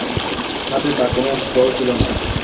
হাতে তাঁর কোনো অস্ত্রও ছিল না।